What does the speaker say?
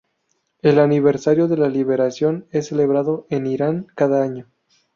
El aniversario de la liberación es celebrado en Irán cada año.